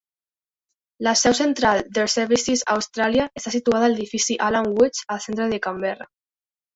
La seu central d"Airservices Austràlia està situada a l"edifici Alan Woods al centre de Camberra.